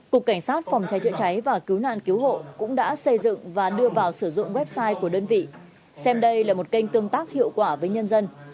cục cảnh sát phòng cháy chữa cháy và cứu nạn cứu hộ cũng đã xây dựng và đưa vào sử dụng website của đơn vị xem đây là một kênh tương tác hiệu quả với nhân dân